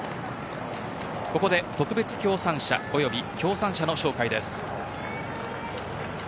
ここで特別協賛社および協賛社の紹介です。